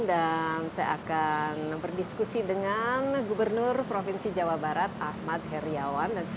dan saya akan berdiskusi dengan gubernur provinsi jawa barat ahmad heriawan